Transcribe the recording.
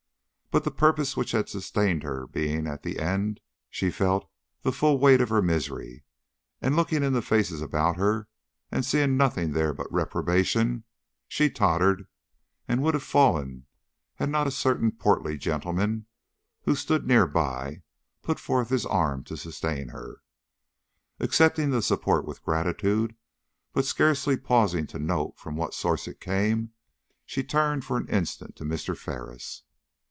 But the purpose which had sustained her being at an end, she felt the full weight of her misery, and looking in the faces about her, and seeing nothing there but reprobation, she tottered and would have fallen had not a certain portly gentleman who stood near by put forth his arm to sustain her. Accepting the support with gratitude, but scarcely pausing to note from what source it came, she turned for an instant to Mr. Ferris.